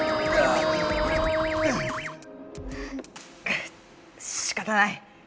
くっしかたない。